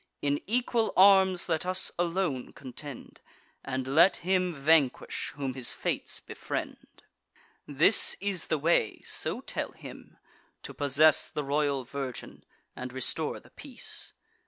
In equal arms let us alone contend; And let him vanquish, whom his fates befriend. This is the way (so tell him) to possess The royal virgin, and restore the peace.